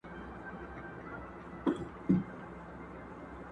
په دې مالت کي ټنګ ټکور وو اوس به وي او کنه.!